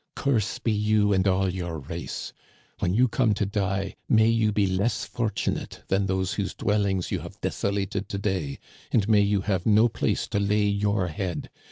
Curse be you and all your race! When you come to die may you be less fortunate than those whose dwellings you have desolated to day, and may you have no place to lay your head